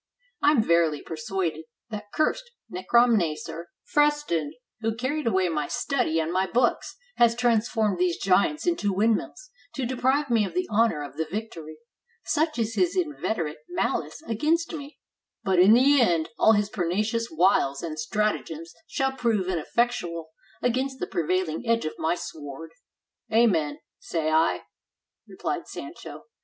I am verily persuaded, that cursed necromnacer Freston, who carried away my study and my books, has transformed these giants into windmills, to deprive me of the honor of the victory; such is his inveterate malice against me; but in the end, all his pernicious wiles and stratagems shall prove ineffectual against the prevailing edge of my sword." "Amen, say I," replied Sancho.